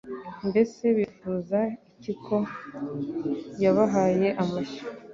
Mbese bifuza iki ko yabahaye amashyo